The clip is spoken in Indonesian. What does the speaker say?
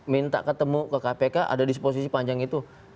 minta ketemu ke kpk ada disposisi panjang itu